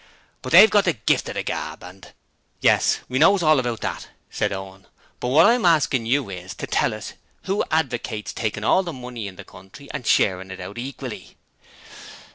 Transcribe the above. But they've got the gift o' the gab and ' 'Yes, we know all about that,' said Owen, 'but what I'm asking you is to tell us who advocates taking all the money in the country and sharing it out equally?'